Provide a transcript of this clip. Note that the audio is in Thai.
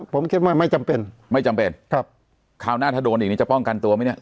ผมคิดว่าไม่จำเป็นไม่จำเป็นครับคราวหน้าถ้าโดนอีกนี้จะป้องกันตัวไหมเนี่ย